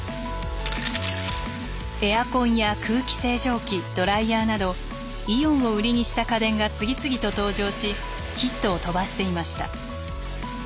エアコンや空気清浄機ドライヤーなどイオンを売りにした家電が次々と登場しヒットを飛ばしていました。